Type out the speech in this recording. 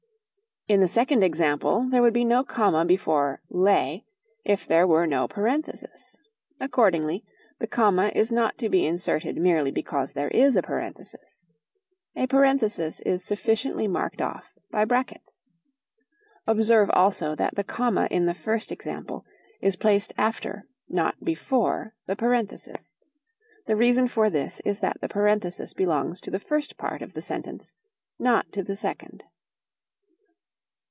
In the second example, there would be no comma before "lay," if there were no parenthesis; accordingly the comma is not to be inserted merely because there is a parenthesis. A parenthesis is sufficiently marked off by brackets. Observe also that the comma in the first example is placed after, not before, the parenthesis. The reason for this is that the parenthesis belongs to the first part of the sentence, not to the second.